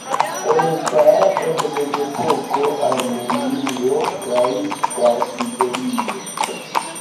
Elstara en mezepoka Armenio kaj Kartvelio.